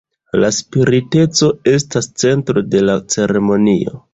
La spiriteco estas centro de la ceremonio.